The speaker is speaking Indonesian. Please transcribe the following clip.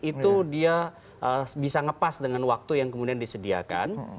itu dia bisa ngepas dengan waktu yang kemudian disediakan